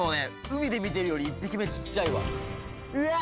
海で見てるより１匹目ちっちゃいわうわ